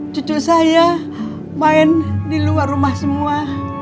cucu saya main di luar rumah semua